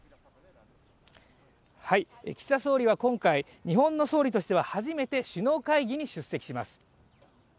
岸田総理は今回、日本の総理としては初めて首脳会議に出席します。